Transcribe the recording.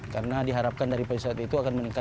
karena diharapkan dari perusahaan itu akan meningkat